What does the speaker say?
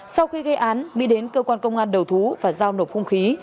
sau khi gây án mỹ đến cơ quan công an đầu thú và giao nộp không khí